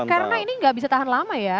karena ini tidak bisa tahan lama ya